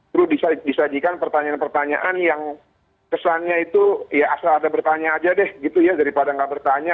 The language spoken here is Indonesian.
terus disajikan pertanyaan pertanyaan yang kesannya itu ya asal ada bertanya aja deh gitu ya daripada nggak bertanya